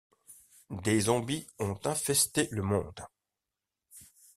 Des zombies ont infesté le monde.